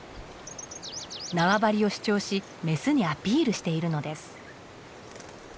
縄張りを主張しメスにアピールしているのです。